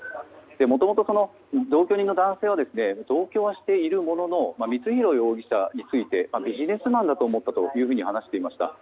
もともと同居人の男性は同居はしているものの光弘容疑者についてビジネスマンだと思ったと話していました。